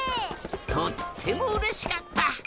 とってもうれしかった！